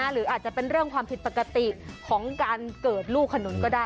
หรืออาจจะเป็นเรื่องความผิดปกติของการเกิดลูกขนุนก็ได้